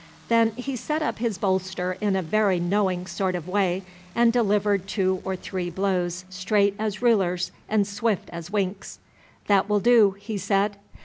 Then he set up his bolster in a very knowing sort of way, and delivered two or three blows straight as rulers and swift as winks. "That will do," he said.